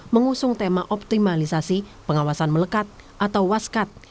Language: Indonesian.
mengusung tema optimalisasi pengawasan melekat atau waskat